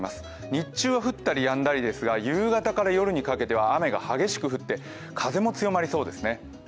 日中は降ったりやんだりですが夕方から夜にかけては雨が激しく降って風も強まりそうですね。